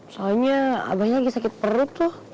soalnya abahnya lagi sakit perut tuh